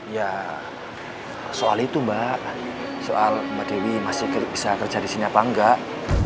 ya soal itu mbak soal mbak dewi masih bisa kerja di sini apa enggak